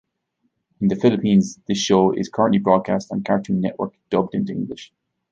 In the Philippines, this show is currently broadcast on Cartoon Network dubbed into English.